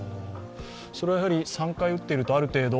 それは３回打っているとある程度